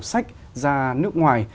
sách ra nước ngoài